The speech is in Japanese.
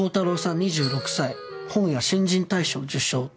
２６歳「本屋新人大賞」受賞。